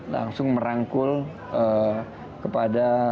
langsung merangkul kepada